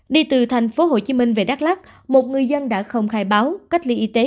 đi từ thành phố hồ chí minh về đắk lắc một người dân đã không khai báo cách ly y tế